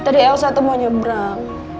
tadi elsa itu mau nyebrang